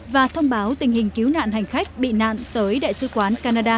và thông báo tình hình cứu nạn hành khách bị nạn tới đại sứ quán canada